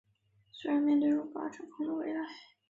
虽然面对的是无法掌握的未来